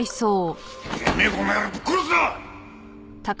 てめえこの野郎ぶっ殺すぞ！